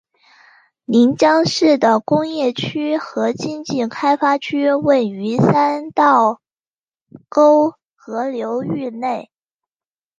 临江市的工业区和经济开发区位于三道沟河流域内。